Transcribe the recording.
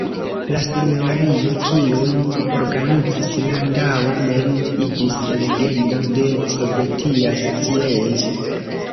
La seminario, kiun organizis Landau, mem iĝis legendo de sovetia scienco.